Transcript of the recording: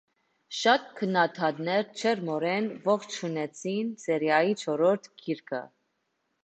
Շատ քննադատներ ջերմորեն ողջունեցին սերիայի չորրորդ գիրքը։